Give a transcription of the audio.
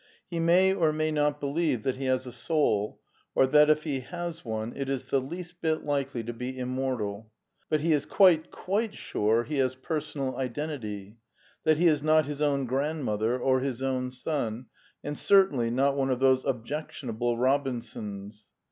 He may or may not belieye that he has a soul, or, that, if he has one, it is the least bit likely to be im mortal; but he is quite, quite sure he has personal identity; that he is not his own grandmother or his own son; and certainly not one of those objectionable Bobinsons.